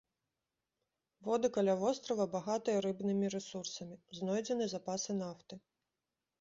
Воды каля вострава багатыя рыбнымі рэсурсамі, знойдзены запасы нафты.